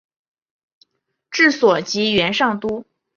治所即元上都。